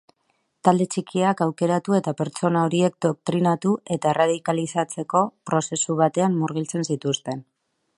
Talde txikiak aukeratu eta pertsona horiek doktrinatu eta erradikalizatzeko prozesu batean murgiltzen zituzten.